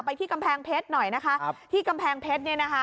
ที่กำแพงเพชรหน่อยนะคะครับที่กำแพงเพชรเนี่ยนะคะ